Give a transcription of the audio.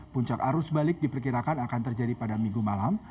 puncak arus balik diperkirakan akan terjadi pada minggu malam